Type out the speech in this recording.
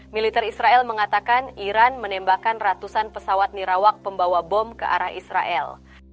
militer israel mengatakan iran menembakkan ratusan pesawat nirawak pembawa bom ke arah israel